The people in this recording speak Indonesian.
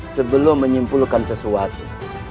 sebelum menyimpulkan sesuatu